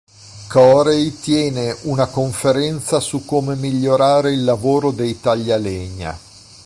Corey tiene una conferenza su come migliorare il lavoro dei taglialegna.